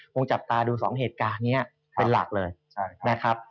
คงจับตาดู๒เหตุการณ์นี้เป็นหลักเลยนะครับ